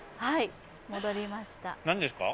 何ですか？